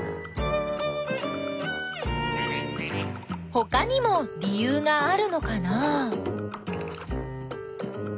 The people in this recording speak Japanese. ほかにも理ゆうがあるのかな？